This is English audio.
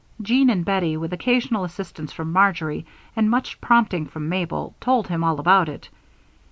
Jean and Bettie, with occasional assistance from Marjory and much prompting from Mabel, told him all about it.